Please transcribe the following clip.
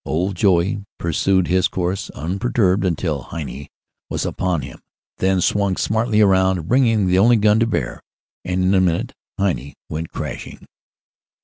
"Old Joey" pursued his course unperturbed until "Heine" was upon him then swung smartly around, bringing the only gun to bear, and in a minute "Heine" went crashing.